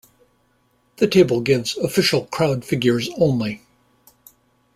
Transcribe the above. The table gives official crowd figures only.